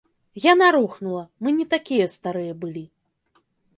Яна рухнула, мы не такія старыя былі.